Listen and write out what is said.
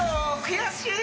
悔しい！